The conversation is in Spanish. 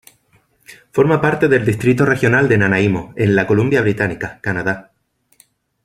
Forma parte del Distrito Regional de Nanaimo, en la Columbia Británica, Canadá.